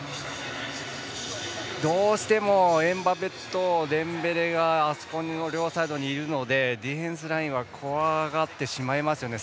どうしてもエムバペとデンベレがあそこの両サイドにいるのでディフェンスラインは怖がってしまいますよね。